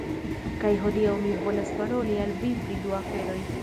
Kaj hodiaŭ mi volas paroli al vi pri du aferoj.